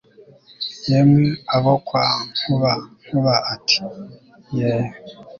Yemwe abo kwa Nkuba Nkuba ati « yee